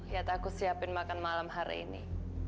yataku siapin makan malam hari ini